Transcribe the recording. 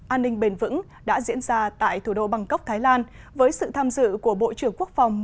an ninh bền vững đã diễn ra tại thủ đô bangkok thái lan với sự tham dự của bộ trưởng quốc phòng